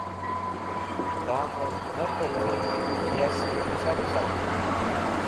Tamv me petrẽz̃h yashtẽv shak khalg.